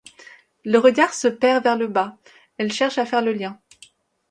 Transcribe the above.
Le regard se perd vers le bas, elle cherche à faire le lien.